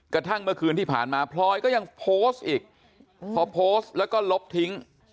กระทั่งเมื่อคืนที่ผ่านมาพลอยก็ยังโพสต์อีกพอโพสต์แล้วก็ลบทิ้ง